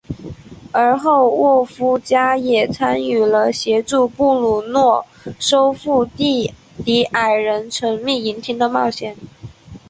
而后沃夫加也参与了协助布鲁诺收复地底矮人城秘银厅的冒险。